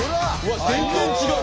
全然違う！